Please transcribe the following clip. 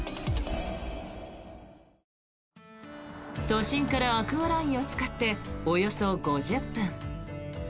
都心からアクアラインを使っておよそ５０分。